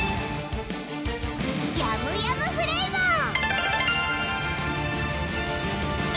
ヤムヤムフレイバー！